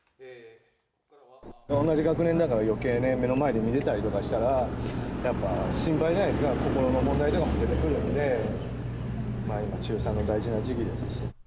同じ学年だから、よけいね、目の前で見てたりとかしたら、やっぱ心配じゃないですか、心の問題とかも出てくるので、今、中３の大事な時期ですし。